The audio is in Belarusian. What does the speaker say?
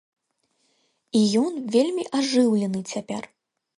І ён вельмі ажыўлены цяпер.